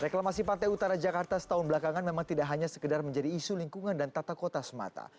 reklamasi pantai utara jakarta setahun belakangan memang tidak hanya sekedar menjadi isu lingkungan dan tata kota semata